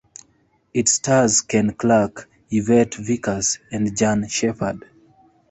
It stars Ken Clark, Yvette Vickers and Jan Shepard.